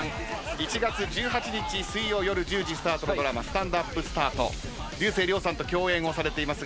１月１８日水曜夜１０時スタートのドラマ『スタンドＵＰスタート』竜星涼さんと共演をされていますが。